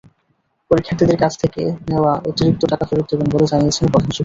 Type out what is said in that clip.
পরীক্ষার্থীদের কাছ থেকে নেওয়া অতিরিক্ত টাকা ফেরত দেবেন বলে জানিয়েছেন প্রধান শিক্ষক।